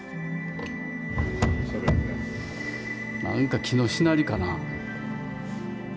何か木のしなりかな？